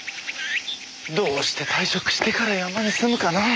どうして退職してから山に住むかなぁ。